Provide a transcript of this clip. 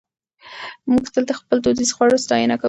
موږ تل د خپلو دودیزو خوړو ستاینه کوو.